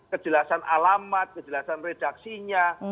kejelasan alamat kejelasan redaksinya